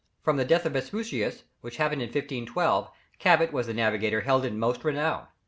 From the death of Vespucius, which happened in 1512, Cabot was the navigator held in most renown.